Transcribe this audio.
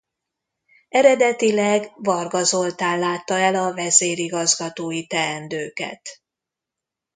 Eredetileg Varga Zoltán látta el a vezérigazgatói teendőket.